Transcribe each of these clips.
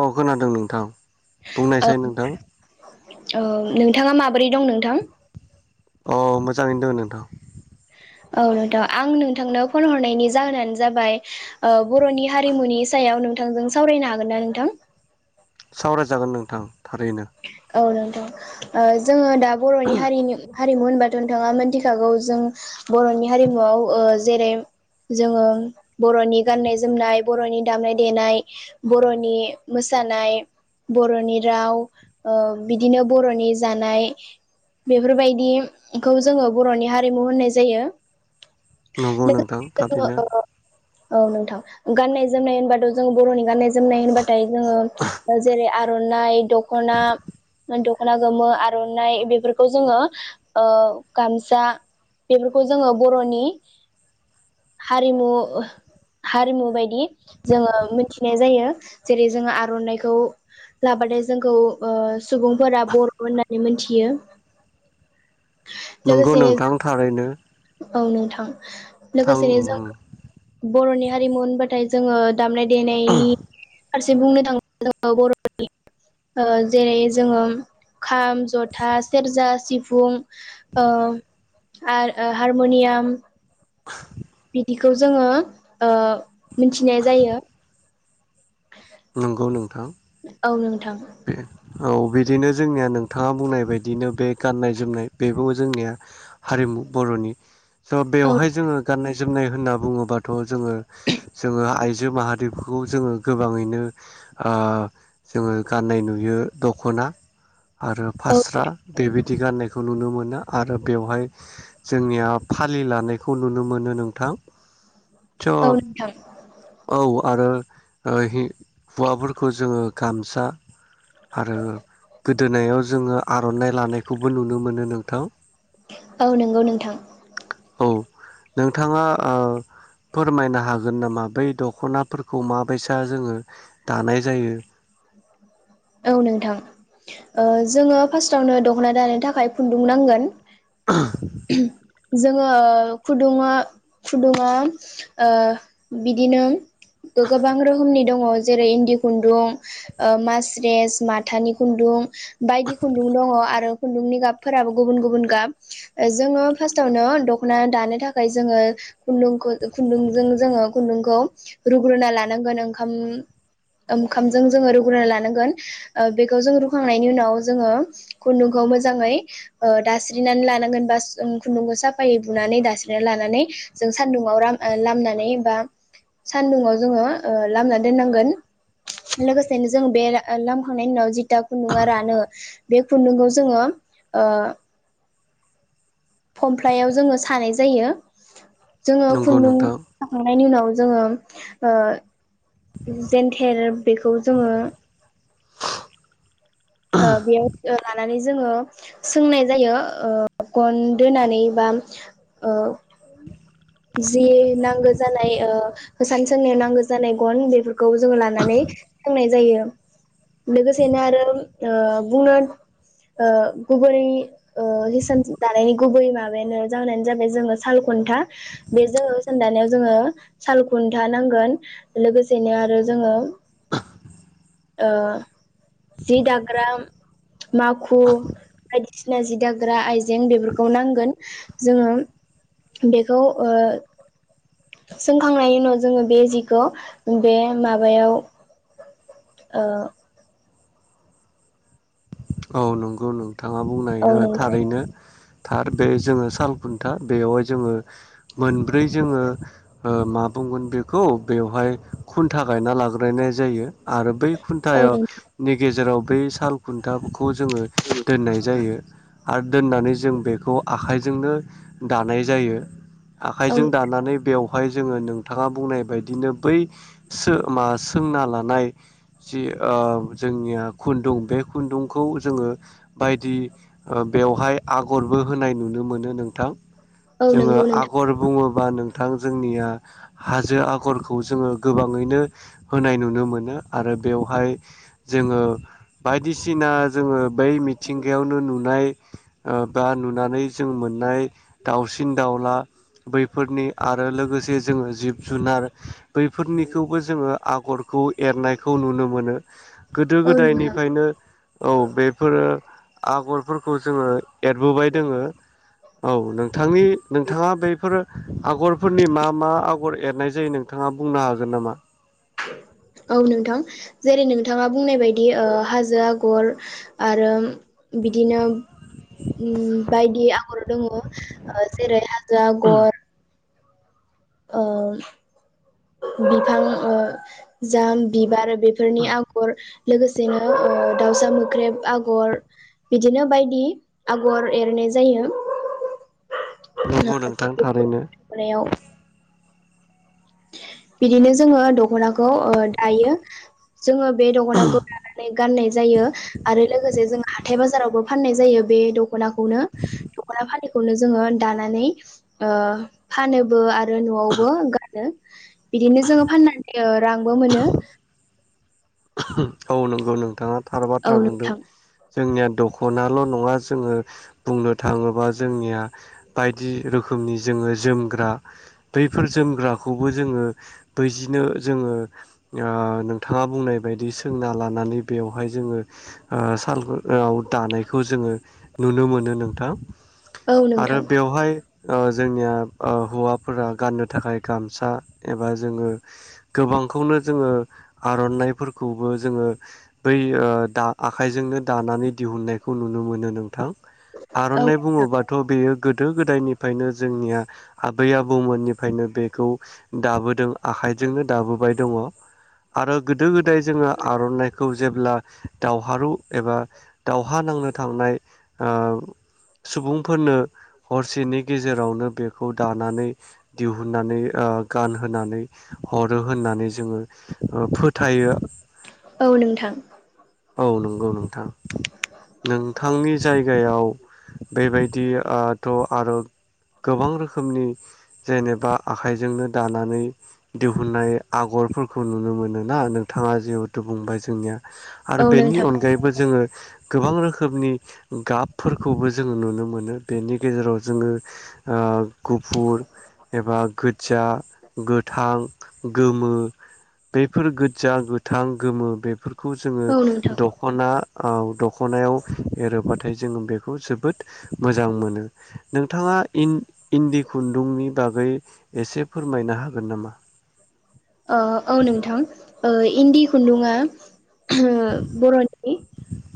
औ खोनादों नोंथां औ बुंनायसै नोंथां- औ नोंथाङा माबोरै दं नोंथां? अ मोजाङैनो दङ नोंथां। औ नोथां आं नोंथांनो फन हरनायनि जाहोनानो जाबाय बर'नि हारिमुनि सायाव नोंथांजों सावरायनो हागोन ना नोंथां? सावरायजागोन नोंथां थारैनो औ नोंथां ओ‌ जोङो- दा बर'नि हारिनि- हारिमु होनबाथ' नोंथाङा मोनथिखागौ जों बर'नि हारिमुआव ओ जेरै जोङो बर'नि गाननाय जोमनाय बर'नि दामनाय देनाय बर'नि मोसानाय बर'नि राव ओ बिदिनो बर'नि जानाय बेफोरबायदिखौ जोङो बर'नि हारिमु होननाय जायो नंगौ नोंथां थारैनो। औ नोंथां गाननाय जोमनाय होनबाथ' जों बर'नि गाननाय जोमनाय होनबाथाय जोङ जेरै- आरनाइ दखना दख'ना गोमो आर'नाइ बेफोरखौ जोङो ओ गामसा बेफोरखौ जोङो बर'नि हारिमु हारिमु बायदि जोङो मिथिनाय जायो जेरै जोङो आर'नाइखौ लाबाथाय- जोंखौ ओ‌ सुबुंफोरा बर' होननानै मोनथियो। नंगौ लोगोसेनो नोंथां थारैनो औ नोंथां- थां लोगोसेनो जों बर'नि- हारिमु होनबाथाय जोङो दामनाय देनायनि- फारसे बुंनो थाङोब्ला जोङो बर'नि जेरै जोङो खाम जथा सेरजा सिफुं ओ आरो हारमनियाम [inaudible] बिदिखौ जोङो मिथिनाय जायो नंगौ नोंथां औ नों - बे औ बे- बिदिनो जोंनिया नों- नोंथाङा बुंनाय बायदिनो बे गाननाय जोमनाय बेबौ जोंनिया हारिमु बर'नि स' औ बेवहाय जोङो गाननाय जोमनाय होनना बुङोबाथ' जोङो जोङो आइजो माहारिफोरखौ जोङो गोबाङैनो आं जोङो गाननाय नुयो दख'ना आरो औ फास्रा बेबायदि गाननायखौ नुनो मोनो आरो बेवहाय जोंनिया फालि लानायखौ नुनो मोनो नोंथां। थ' औ नोंथां औ आरो ओ हौवाफोरखौ जोङो गामसा आरो गोदोनायाव जोङो आर'नाइ लानायखौबो नुनो मोनो नोंथां। औ नंगौ नोंथां। औ नोंथाङा ओ फोरमायनो हागोन नामा बै दख'नाफोरखौ माबायसा जोङो दानाय जायो? औ नोंथां जोङो फार्स्टआवनो दख'ना दानों थाखाय खुन्दुं नांगोन [inaudible] जोङो खुदुङा खुदुङा ओ बिदिनो गो-गोबां रोखोमनि दङ जेरै इन्दि खुन्दुं, ओ मास्रेस, माथानि खुन्दुं बायदि खुन्दुं दङ आरो खुन्दुंनि गाबफोराबो गुबुन गुबुन गाब ओ जोङो फार्स्टआवनो दख'ना दानो थाखाय जोङो खुन्दुंखौ खुन्दुंजों जोङो खुन्दुंखौ रुग्रोना लानांगोन ओंखाम ओंखाम जोङो रुग्रोनान लानांगोन बेखौ जोंडो रुखांनायनि उनाव जोङो खुन्दुंखौ मोजाङै दास्रिनानै लानांगोन बा खुन्दुंखौ साफायै बुनानै दास्रिनानै लानानै जों सानदुुं आव लामनानै बा सानदुंङाव जोङो लामनानै दोननांगोन लोगोसेनो जों बे लामखांनायनि उनाव जि खुनदुंआ रानो बे खुन्दुंखौ जोङो फमफ्र्लायाव जोङो सानाय जायो। जोङो नंगौ खुन्दुं नोंथां साखांनायनि उनाव जोंडो ओ जेन्थेर बेखौ जोङो ओ बेयाव ओ लानानै जोङो सोंनाय जायो ओ गन दोनानै बा ओ जि नांगौ जानाय ओ हिसान सोंनायाव नांगौ जानाय गन बेफोरखौ जोङो लानानै सोंनाय जायो लोगोसेनो आरो ओ बुंनो ओ गुबै ओ हिसान दानायनि गुबै माबायानो जाहोनानो जाबाय जोङो साल खुनथा बेजोङो जों दानाय जोङो साल खुन्था नांगोन लोगोसेनो आरो जोङो जि दाग्रा माखु बायदिसिना जि दाग्रा आइजें बेफोरखौ नांगोन जोङो बेखौ ओ सोंखांनायनि उनाव जोङो बे जिखौ बे माबायाव ओ औ नंगौ नो नोंथाङा बुंनाय औ नोंथां थारैनो थार बे जोङो सालखुन्था बेयावहाय जोङो मोनब्रै जोङो ओ मा बुंगोन बेखौ बेवहाय खुन्था गायना लाग्रायनाय जायो आरो बै औ खुन्थाय नोंथां नि गेजेराव बै साल खुुन दाब खौ जोङो दोननाय जायो आरो दोननानै जों बेखौ आखाइजोंनो दानाय जायो औ आखाइजों दानानै बेयाव बेहाय जोङो नोंथाङा बुंनाय बायदिनो बै सो मा सोंना लानाय जी ओ जोंनिया खुन्दुं बे खुन्दुंखौ जोङो बायदि ओ बेवहाय आगरबो होनाय नुनो मोनो नोंथां। औ जोङो नंगौ नोंथां आगर बुङोबा नोंथां जोंनिया हाजो आगरखौ जोङो गोबाङैनो होनाय नुनो मोनो आरो बेवहाय जोङो बायदिसिना जोङो बै मिथिंगायावनो नुनाय ओ बा नुनानै जों मोननाय दाउसिन दाउला बैफोरनि आरो लोगोसे जोङो जिब जुनार बैफोरनिखौबो जोङो आगर खौ एरनायखौ नुनो मोनो गोदो औ गोदायनि नोंथां औ बेफोरो आगरफोरखौ जोङो एरबोबाय दङो औ नोंथांनि नोंथाङा बेफोरो आगरफोरनि मा मा आगर एरनाय जायो नोंथाङा बुंनो हागोन नामा? औ नोंथां जेरै नोंथाङा बुंनाय बायदि ओ हाजो आगर आरो बिदिनो ओ बायदि आगर दङ जेरै हाजो जो आगर ओ बिफां ओ जा बिबार बेफोरनि आगर लोगोसेनो ओ दाउसा मोख्रेब आगर बिदिनो बायदि आगर एरनाय जायो। नंगौ नोंथां थारैनो। दखनायाव बिदिनो जोङो दखनाखौ ओ दायो जोङो बे दखनाखौ लानानै गाननाय जायो आरो लोगोसे जों हाथाय बाजार बाजारावबो फननाय जायो बे दखनाखौनो दखना फलि खौनो जोङो दानानौ फानोबो आरो जों न'आवबो गान दों बिदिनो जोङो फाननानै रांबो मोनो औ नंगौ नोंगौ नोंथाङा थार औ बाथ्रा बुंदों। नोंथां जोंनिया दख'नाल' नङा जोङो बुंनो थाङोबा जोंनिया बायदि रोखोमनि जोङो जोमग्रा बैफोर जोमग्राखौबो जोङो बैजिनो जोङो आह नोंथाङा बुंनाय बेबायदि सोंना लानानै बेवहाय जोङो सालाव दानायखौ जोङो नुनो मोनो नोंथां औ नोंथां आरो बेवहाय। जोंनिया हौवाफोरा गाननो थाखाय गामसा एबा जोङो गोबांखौनो जोङो आरनाइफोरखौ खौबो जोङो बै ओ दा आखाइजोंनो दानानै दिहुननायखौ नुनो मोनो नोंथां। औ आर'नाइ नोंथां बुङोबाथ' बेयो गोदो। गोदायनिफ्रायनो जोंनिया आबै आबौमोननिफ्रायनो बेखौ दाबोदों आखाइजोंनो दाबोबाय दङ आरो गोदो गोदा जोङो आर'नाइखौ जेब्ला दावहारु एबा दावहा नांनो थांनाय ओह सुबुंफोरनो। हरसेनि गेजेरावनो बे खौ दानानै दिहुननानै गानहोनानै हरो होननानै जोङो फोथायो। औ नोंथां। औ नंगौ नोंथां नोंथांनि जायगायाव बेबायदिथ' आरो गोबां रोखोमनि जेनेबा आखाइजोंनो दानानै दिहुननाय आगरफोरखौ नुनो मोनो ना नोंथाङा जेहुथु बुंबाय जोंनिया। औ आरो बेनि नोंथां अनगायैबो जोङो। गोबां रोखोमनि गाबफोरखौबो जोङो नुनो मोनो बेनि गेजेराव जोङो ओह। गुफुर एबा गोज्ज गोथां गोमो बेफोर गोजा गोथां गोमो बेफोरखौ औ नोंथां दखना औ दख ख'नायाव एरोबा नाथाय जोंङ बेखौ जोबोद मोजां मोनो नोंथाङा इन्दि इन्दि खुन्दुंनि बागै एसे फोरमायनो हागोन नामा? ओह औ नोंथां ओइ। इन्दि खुन्दुङा बर'नि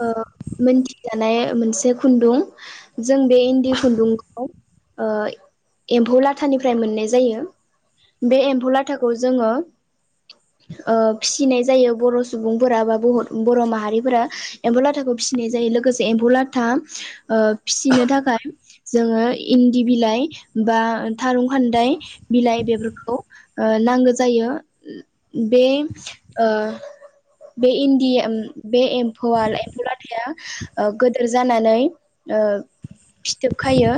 ओ मोनथिजानाय मोनसे खुन्दुं। जों बे इन्दि खुन्दुंखौ ओह एम्फौ लाथानिफ्राय मोननाय जायो बे एम्फौ लाथाखौ जोङो ओ फिसिनाय जायो बर' सुबुंफोरा बा बर' बर' माहारिफोरा एम्फौ लाथाखौ फिसिनाय जायो लोगोसे एम्फौ लाथा ओ फिसिनो थाखाय जोङो इन्दि बिलाइ बा थारुं खान्दाय बिलाइ बेफोरखौ ओ नांगो जायो बे ओ बे इन्दि एम बे एमफौ एम्फौ लाथाया ओ गोदोर जानानै फिथोब खायो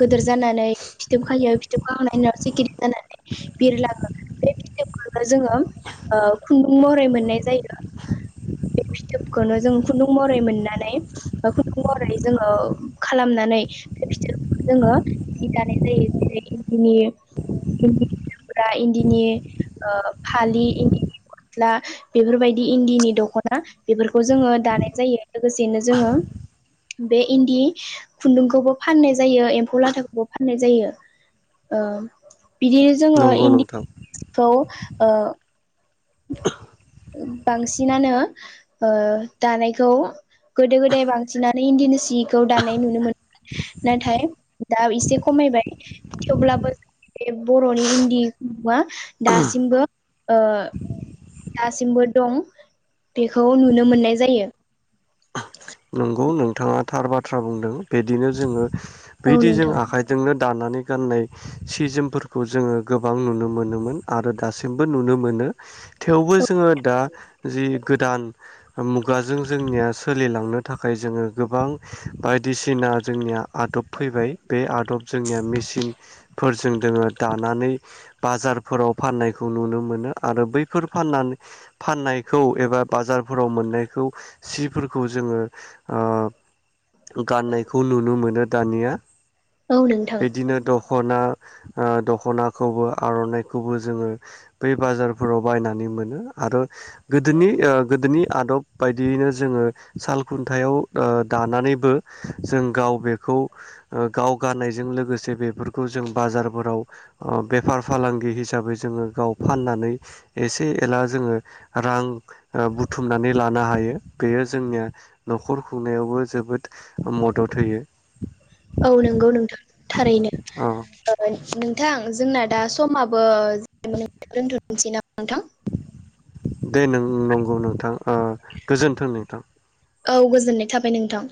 गोदोर जानानै फिथोब खायो फिथोबखांनायनि उनाव सिखिरि जानानै बिरलाङो। बे फिथोबखो जोङो ओ खुन्दुं महरै मोननाय जायो। [inaudible] बे फिथोबखौनो जों खुन्दुं महरै मोननानै बा खुन्दुं महरै जोङो खालामनानै बे फिथोबखौ जोङो दानाय जायो जेरै इदिनि [unintelligible] इन्दिनि ओ फालि इन्दिनि गस्ला बेफोरबायदि इन्दिनि दखना बेफोरखौ जोङो दानाय जायो लोगोसेनो जोङो बे इन्दि खुन्दुंखौबो फाननाय जायो एम्फौ लाथाखौबो फाननाय जायो ओ बिदिनो जोङो नंगौ इन्दि नोंथां खौ ओ [inaudible] बांसिनानो ओ दानायखौ गोदो गोदाय बांसिनानो इन्दिनि सिखौ दानाय नुनो मोनो नाथाय दा एसे खमायबाय थेवब्लाबो बे बर'नि इन्दि खुन्दुंआ दासिमबो ओ दासिमबो दं बेखौ नुनो मोननाय जायो। नंगौ नोंथाङा थार बाथ्रा बुंदों बेदिनो जोङो औ बैदि जों नोंथां आखाइजोंनो दानानै गाननाय सि जोमफोरखौ जोङो गोबां नुनो मोनोमोन आरो दासिमबो नुनो मोनो थेवबो जोङो दा जि गोदान मुगाजों जोंनिया सोलिलांनो थाखाय जोङो गोबां बायदिसिना जोंनिया आदब फैबाय बे आदब जोंनिया मेसिनफोरजों दोङो। दानानै बाजारफोराव फाननायखौ नुनो मोनो आरो बैफोर फाननानै फाननायखौ एबा बाजारफोराव मोननायखौ सिफोरखौ जोङो ओ गाननायखौ नुनो मोनो। दानिया। औ नोंथां बिदिनो दख'ना ओ दख'नाखौबो आर'नाइखौबो जोङो बै बाजारफोराव बायनानै मोनो आरो गोदोनि ओ गोदोनि आदब बायदियैनो जोङो साल खुन्थायाव ओ दानानैबो जों गाव बेखौ ओ गाव गाननायजों लोगोसे बेफोरखौ जों बाजारफोराव ओ बेफार फालांगि हिसाबै जोङो गाव फाननानै एसे एला जोङो रां ओ बुथुमनानै लानो हायो बेयो जोंनिया नखर खुंनायावबो जोबोद मदद होयो औ नोंगौ नोंथां थारैनो। ओ नोंथां जोंना दा समाबो [unintelligible] दोनथ' मिथि न मोनथां दे नों नं- गौ नोंथां ओह गोजोन्थों नोंथां। औ गोजोननाय थाबाय नोंथां।